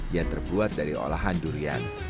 yang terbuat dari olahan durian